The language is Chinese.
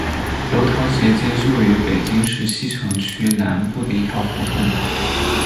楼桃斜街是位于北京市西城区南部的一条胡同。